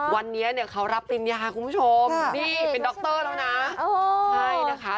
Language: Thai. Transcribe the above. วันนี้เขารับศิลป์รินยาคุณผู้ชมนี่เป็นด็อเตอร์แล้วนะ